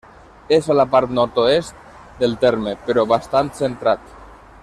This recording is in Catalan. És a la part nord-oest del terme, però bastant centrat.